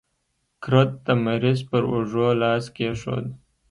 کرت د مریض پر اوږو لاس کېښود.